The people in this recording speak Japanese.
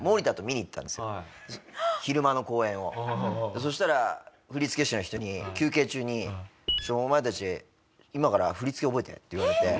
そしたら振付師の人に休憩中に「お前たち今から振り付け覚えて」って言われて。